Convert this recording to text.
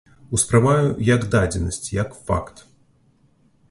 Успрымаю як дадзенасць, як факт.